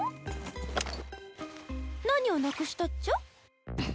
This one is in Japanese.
何をなくしたっちゃ？